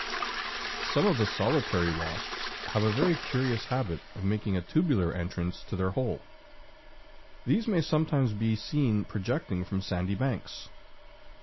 Some of the solitary wasps have a very curious habit of making a tubular entrance to their hole. These may sometimes be seen projecting from sandy banks.